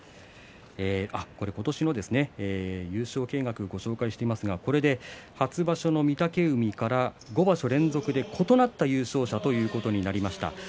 今年の優勝掲額をご紹介していますが初場所の御嶽海から５場所連続で異なった優勝者ということになりました。